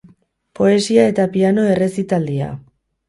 Poesia eta piano errezitaldia.